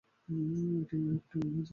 এটি একটি জীবনী গ্রন্থ।